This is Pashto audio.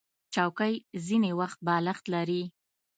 چوکۍ ځینې وخت بالښت لري.